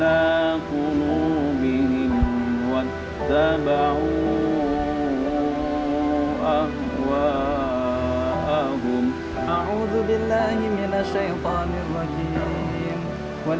tanganeté kristus armed binnenanku semua yang berkhutbah